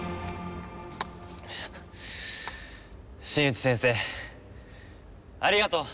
新内先生ありがとう